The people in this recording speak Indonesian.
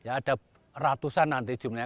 ada ratusan nanti jumlahnya